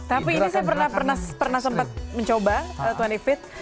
tapi ini saya pernah sempat mencoba dua puluh fit